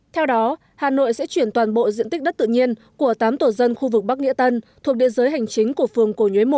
theo đó hà nội sẽ chuyển toàn bộ diện tích đất tự nhiên của tám tổ dân khu vực bắc nghĩa tân thuộc địa giới hành chính của phường cổ nhuế một